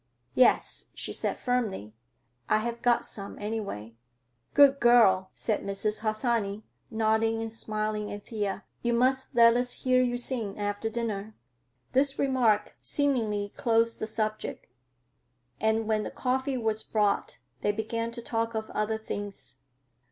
"Yes," she said firmly; "I have got some, anyway." "Good girl," said Mrs. Harsanyi, nodding and smiling at Thea. "You must let us hear you sing after dinner." This remark seemingly closed the subject, and when the coffee was brought they began to talk of other things.